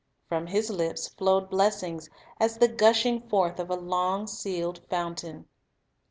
From His lips flowed blessings as the gushing forth of a long sealed fountain.